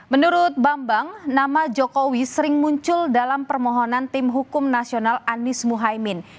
menurut bambang nama jokowi sering muncul dalam permohonan tim hukum nasional anies mohaimin